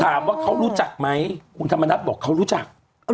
แล้วเขาก็เลยออกมาชื่อคุณธรรมนัฐโผล่ขึ้นมาติดอยู่ตรงนี้ด้วย